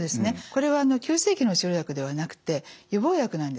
これは急性期の治療薬ではなくて予防薬なんですね。